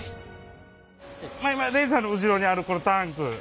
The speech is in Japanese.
礼二さんの後ろにあるこのタンク。